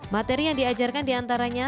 materi yang diajarkan diantaranya